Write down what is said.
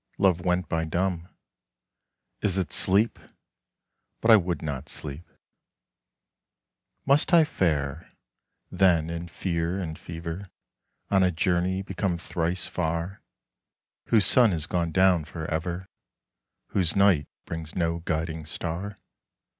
love went by dumb. Is it sleep? but I would not sleep. Must I fare, then, in fear and fever On a journey become thrice far Whose sun has gone down for ever, Whose night brings no guiding star?